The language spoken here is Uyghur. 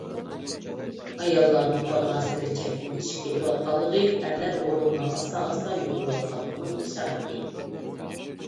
ئاياللارنىڭ بارغانسېرى چەكتىن ئېشىپ كېتىۋاتقانلىقى ئەرلەر غۇرۇرىنىڭ ئاستا-ئاستا يوقىلىۋاتقانلىقىنىڭ بېشارىتى.